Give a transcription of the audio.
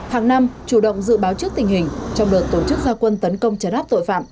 hàng năm chủ động dự báo trước tình hình trong đợt tổ chức gia quân tấn công chấn áp tội phạm